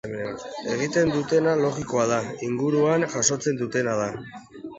Egiten dutena logikoa da, inguruan jasotzen dutena da.